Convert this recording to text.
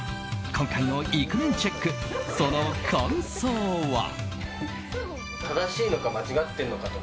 今回のイクメンチェックその感想は。